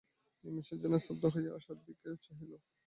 নিমেষের জন্য স্তব্ধ হইয়া আশার দিকে চাহিল।